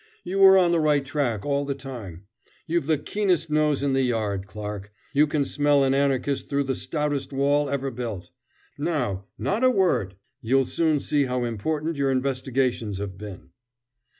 "You were on the right track all the time. You've the keenest nose in the Yard, Clarke. You can smell an Anarchist through the stoutest wall ever built. Now, not a word! You'll soon see how important your investigations have been."